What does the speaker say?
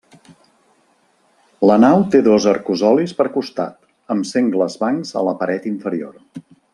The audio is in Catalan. La nau té dos arcosolis per costat, amb sengles bancs a la paret inferior.